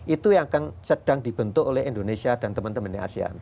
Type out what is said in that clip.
itu yang sedang dibentuk oleh indonesia dan teman teman di asean